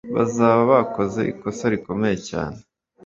bazaba bakoze ikosa rikomeye cyane